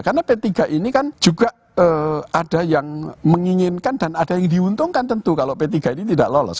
karena p tiga ini kan juga ada yang menginginkan dan ada yang diuntungkan tentu kalau p tiga ini tidak lolos